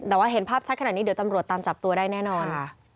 แต่ว่าเห็นภาพชัดขนาดนี้เดี๋ยวตำรวจตามจับตัวได้แน่นอน